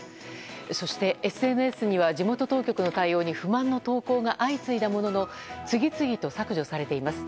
そして、ＳＮＳには地元当局の対応に不満の投稿が相次いだものの次々と削除されています。